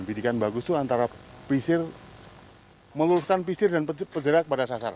bidikan bagus itu antara pisir meluruskan pisir dan bergerak pada sasar